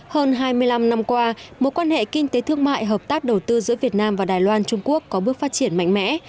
hơn hai mươi năm năm qua mối quan hệ kinh tế thương mại hợp tác đầu tư giữa việt nam và đài loan trung quốc có bước phát triển mạnh mẽ